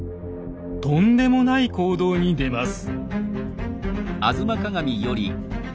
とんでもない行動に出ます。